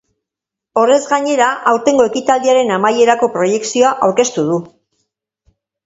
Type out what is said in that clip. Horrez gainera, aurtengo ekitaldiaren amaierako proiekzioa aurkeztu du.